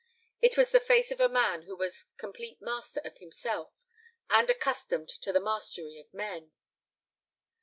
It was the face of a man who was complete master of himself and accustomed to the mastery of men.